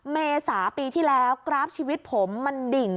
เมษาปีที่แล้วกราฟชีวิตผมมันดิ่ง